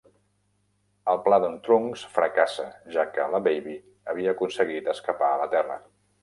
El pla d'en Trunks fracassa ja que la Baby havia aconseguit escapar a la Terra.